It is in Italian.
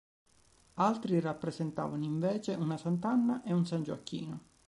Altri rappresentavano invece una Sant'Anna e un San Gioacchino.